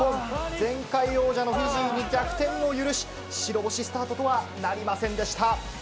前回王者のフィジーに逆転を許し、白星スタートとはなりませんでした。